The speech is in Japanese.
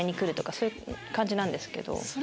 そういう感じなんです。